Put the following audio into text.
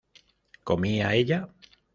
¿comía ella?